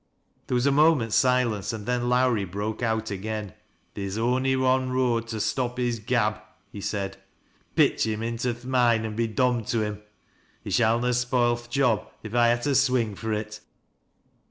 There was a moment's silence, and then Lowrie broke out again. " Theer's on'y one road to stop his gab," he said. " Pitch him into th' mine, an' be dom'd to him. He shall na spoil th' job, if I ha' to swing fur it."